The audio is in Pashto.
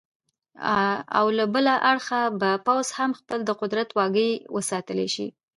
او له بله اړخه به پوځ هم خپل د قدرت واګې وساتلې شي.